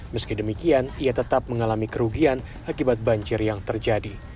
meski demikian ia tetap mengalami kerugian akibat banjir yang terjadi